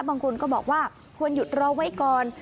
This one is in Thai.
บางคนก็บอกว่าควรหยุดรอไว้ก่อน